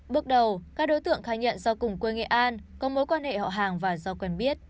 bước đầu các đối tượng khai nhận do cùng quê nghệ an có mối quan hệ họ hàng và do quen biết